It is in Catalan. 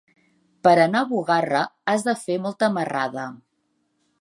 Per anar a Bugarra has de fer molta marrada.